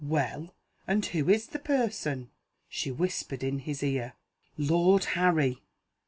"Well? And who is the person?" She whispered in his ear: "Lord Harry."